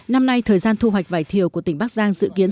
năm nay thời gian thu hoạch vải thiều của tỉnh bắc giang dự kiến